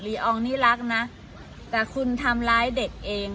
อองนี่รักนะแต่คุณทำร้ายเด็กเอง